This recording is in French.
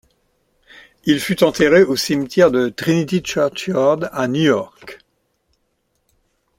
Il fut enterré au cimetière de Trinity Churchyard à New York.